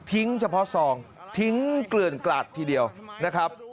เฉพาะซองทิ้งเกลื่อนกลาดทีเดียวนะครับ